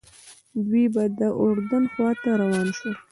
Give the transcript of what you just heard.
دوی به د اردن خواته روان شول.